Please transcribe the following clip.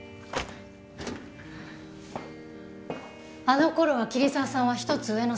あの頃は桐沢さんは１つ上の先輩。